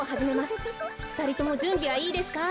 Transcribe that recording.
ふたりともじゅんびはいいですか？